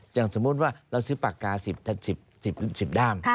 อย่างสมมุติว่าเราซื้อปากกา๑๐ด้าม